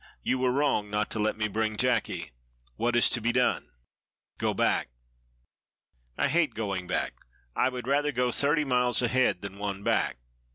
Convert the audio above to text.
"You were wrong not to let me bring Jacky. What is to be done?" "Go back." "I hate going back. I would rather go thirty miles ahead than one back.